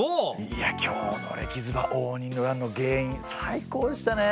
いや今日のレキズバ応仁の乱の原因最高でしたね！